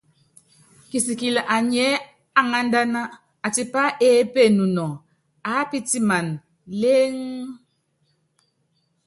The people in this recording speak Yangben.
Kisikili anyiɛ́ aŋándána, atipá eépe nunɔ, aápítimana lééŋé.